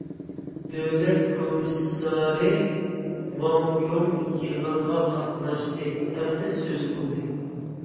دۆلەت كومىسسارى ۋاڭ يۇڭ يىغىنغا قاتناشتى ھەمدە سۆز قىلدى.